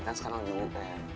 kan sekarang lagi un